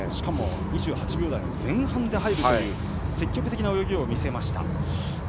２８秒台の前半で入るという積極的な泳ぎを見せました。